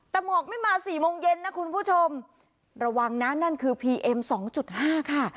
แต่หมอกไม่มาสี่โมงเย็นนะคุณผู้ชมระวังนะนั่นคือพีเอ็มสองจุดห้าค่ะ